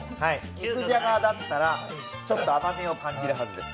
肉じゃがだったら、ちょっと甘みを感じるはずです。